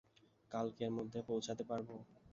কালকের মধ্যে পৌছাতে পারব?